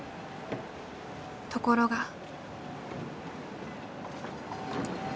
ところが。